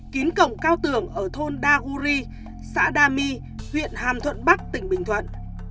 kín cổng cao tường ở thôn đa guri xã đa mi huyện hàm thuận bắc tỉnh bình thuận